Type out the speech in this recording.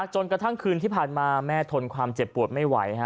จนกระทั่งคืนที่ผ่านมาแม่ทนความเจ็บปวดไม่ไหว